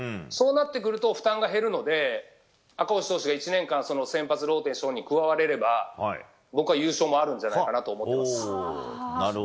そうなってくると負担が減るので赤星選手が１年間先発ローテーションに加われれば僕は優勝もあるんじゃないかと思ってます。